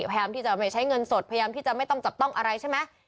พยายามที่จะไม่ใช้เงินสดพยายามที่จะไม่ต้องจับต้องอะไรใช่ไหม